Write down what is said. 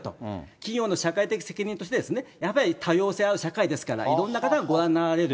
企業の社会的責任としてですね、やっぱり多様性ある社会ですから、いろんな方がご覧になられる。